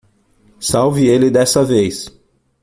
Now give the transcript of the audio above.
Salve ele dessa vez.